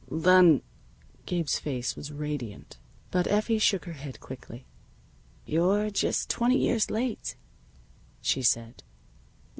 "Then " Gabe's face was radiant. But Effie shook her head quickly. "You're just twenty years late," she said.